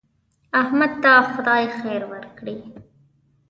احمد ته خدای خیر ورکړي.